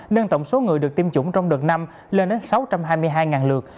nâng tổng số người được tiêm chủng trong đợt năm lên đến sáu trăm hai mươi hai lượt